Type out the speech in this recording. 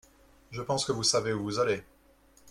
Je pense que vous savez où vous allez.